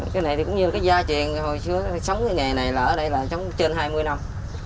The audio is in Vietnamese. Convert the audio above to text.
cây này cũng như gia truyền hồi xưa sống cái nghề này là ở đây là sống trên hai mươi năm